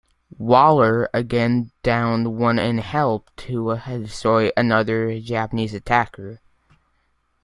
"Waller" again downed one and helped to destroy another Japanese attacker.